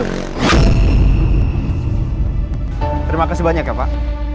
terima kasih banyak ya pak